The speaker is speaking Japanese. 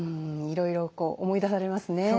いろいろこう思い出されますね。